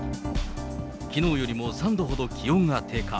きのうよりも３度ほど気温が低下。